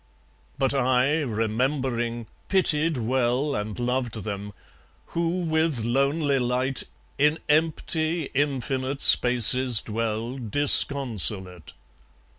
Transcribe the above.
But I, remembering, pitied well And loved them, who, with lonely light, In empty infinite spaces dwell, Disconsolate.